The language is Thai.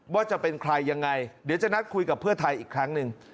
ว่าจะเป็นใครยังไงเดี๋ยวจะนัดคุยกับเพื่อไทยอีกครั้งหนึ่ง